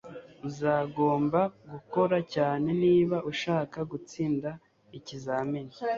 Uzagomba gukora cyane niba ushaka gutsinda ikizamini